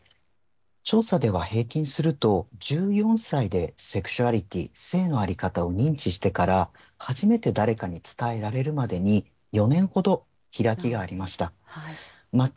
調査では平均すると１４歳でセクシャリティー、性の在り方を認知してから、初めて誰かに伝えられるまでに４年ほど開きがありました。